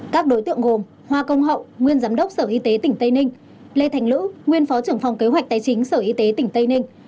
các đối tượng gồm hoa công hậu nguyên giám đốc sở y tế tỉnh tây ninh lê thành lữ nguyên phó trưởng phòng kế hoạch tài chính sở y tế tỉnh tây ninh